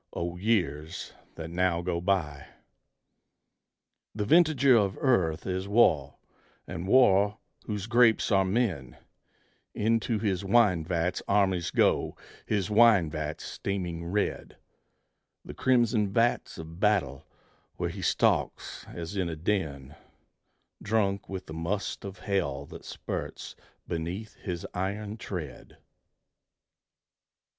O years that now go by! The vintager of Earth is War, is War whose grapes are men; Into his wine vats armies go, his wine vats steaming red: The crimson vats of battle where he stalks, as in a den, Drunk with the must of Hell that spurts beneath his iron tread.